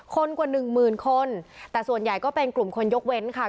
กว่าหนึ่งหมื่นคนแต่ส่วนใหญ่ก็เป็นกลุ่มคนยกเว้นค่ะ